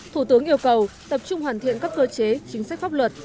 thủ tướng yêu cầu tập trung hoàn thiện các cơ chế chính sách pháp luật